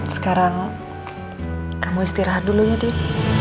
sekarang kamu istirahat dulunya din